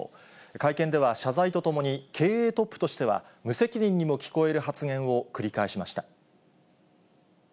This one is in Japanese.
会見では謝罪とともに、経営トップとしては無責任にも聞こえる発言を繰り返しました。